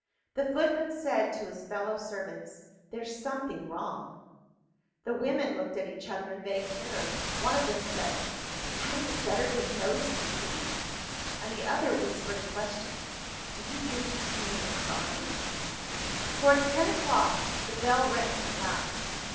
The footman said to his fellow servants, "There's something wrong." The women looked at each other in vague terror. One of them said, "Hadn't we better give notice to leave?" And the other whispered a question: "Do you think he's committed a crime?" Towards ten o'clock, the bell rang at last.